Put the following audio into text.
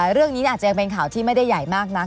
เรื่องนี้อาจจะยังเป็นข่าวที่ไม่ได้ใหญ่มากนัก